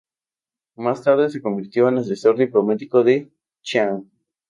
Más tarde se convirtió en asesor diplomático de Chiang.